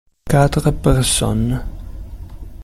Quatre personnes.